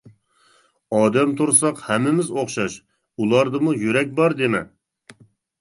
ئادەم تۇرساق ھەممىز ئوخشاش، ئۇلاردىمۇ يۈرەك بار دېمە.